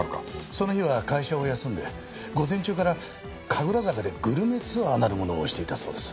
その日は会社を休んで午前中から神楽坂でグルメツアーなるものをしていたそうです。